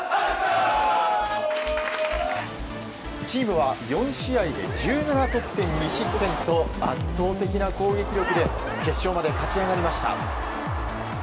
チームは４試合で１７得点２失点と圧倒的な攻撃力で決勝まで勝ち上がりました。